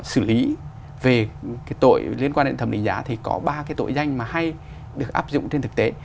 xử lý về cái tội liên quan đến thẩm định giá thì có ba cái tội danh mà hay được áp dụng trên thực tế